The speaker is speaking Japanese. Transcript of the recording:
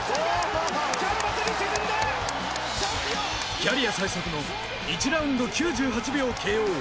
キャリア最速の１ラウンド９８秒ＫＯ。